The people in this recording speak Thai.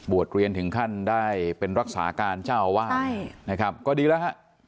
เรียนถึงขั้นได้เป็นรักษาการเจ้าอาวาสนะครับก็ดีแล้วฮะ